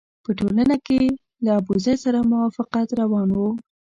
په ټولنه کې له ابوزید سره موافقت روان وو.